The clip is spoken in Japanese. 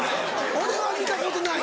俺は見たことない。